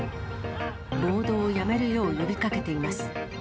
暴動をやめるよう呼びかけています。